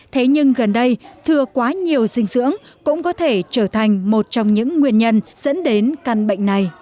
thế nhưng gần đây thừa quá nhiều sinh dưỡng cũng có thể trở thành một trong những nguyên nhân dẫn đến canxi